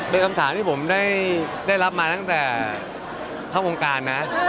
เป็นคำถามที่ผมได้รับมาตั้งแต่เข้าวงการนะ